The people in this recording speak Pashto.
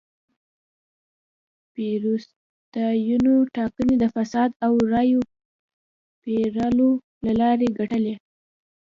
پېرونیستانو ټاکنې د فساد او رایو پېرلو له لارې ګټلې.